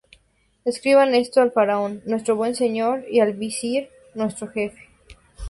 Escriban esto al faraón, nuestro buen señor, y al visir, nuestro jefe.